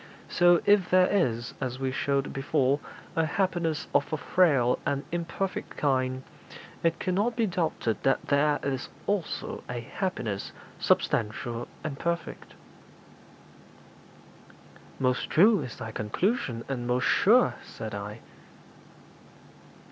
So if there is, as we showed before, a happiness of a frail and imperfect kind, it cannot be doubted but there is also a happiness substantial and perfect.' 'Most true is thy conclusion, and most sure,' said I.